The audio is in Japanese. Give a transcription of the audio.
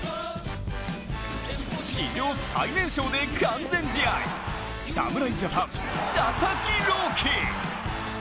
史上最年少で完全試合、侍ジャパン・佐々木朗希。